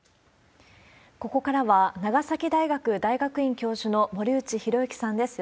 ここからは、長崎大学大学院教授の森内浩幸さんです。